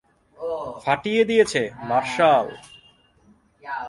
ফাটিয়ে দিয়েছিস, মার্শাল!